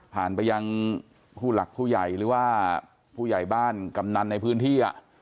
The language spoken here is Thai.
ไปยังผู้หลักผู้ใหญ่หรือว่าผู้ใหญ่บ้านกำนันในพื้นที่